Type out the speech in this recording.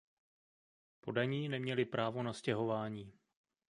Poddaní neměli právo na stěhování.